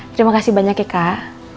terima kasih banyak ya kak